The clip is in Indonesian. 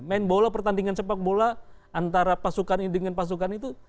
main bola pertandingan sepak bola antara pasukan ini dengan pasukan itu